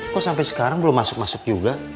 kok sampai sekarang belum masuk masuk juga